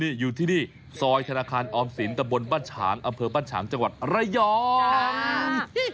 นี่อยู่ที่นี่ซอยธนาคารออมสินตะบนบ้านฉางอำเภอบ้านฉางจังหวัดระยอง